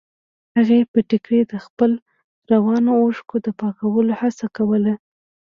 هغې په ټيکري د خپلو روانو اوښکو د پاکولو هڅه کوله.